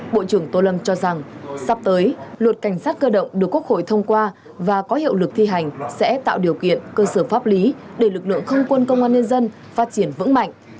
bộ trưởng tô lâm cho rằng sắp tới luật cảnh sát cơ động được quốc hội thông qua và có hiệu lực thi hành sẽ tạo điều kiện cơ sở pháp lý để lực lượng không quân công an nhân dân phát triển vững mạnh